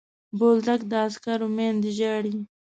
بولدک د عسکرو میندې ژاړي.